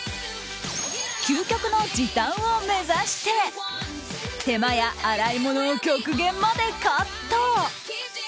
究極の時短を目指して手間や洗い物を極限までカット！